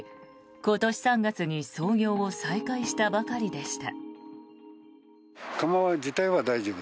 今年３月に操業を再開したばかりでした。